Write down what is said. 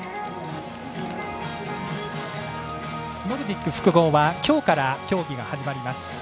ノルディック複合はきょうから競技が始まります。